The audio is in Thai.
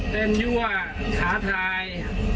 เป็นยั่วท้าทาย